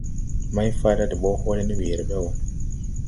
Mayfaada de ɓɔʼ hɔɔlɛ ne weere ɓɛ wɔ.